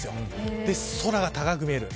それで空が高く見える。